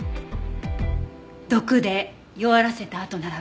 毒で弱らせたあとならば。